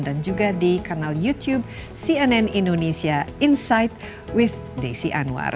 dan juga di kanal youtube cnn indonesia insight with desi anwar